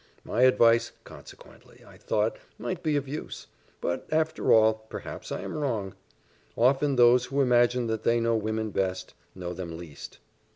My advice consequently, I thought, might be of use; but, after all, perhaps I am wrong: often those who imagine that they know women best, know them least."